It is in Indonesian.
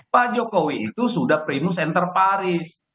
pak jokowi itu sudah primus enterparis